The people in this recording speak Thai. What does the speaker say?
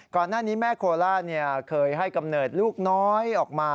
ก่อนหน้านี้แม่โคล่าเคยให้กำเนิดลูกน้อยออกมา